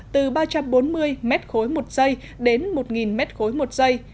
từ ba trăm bốn mươi m ba một giây đến một m ba một giây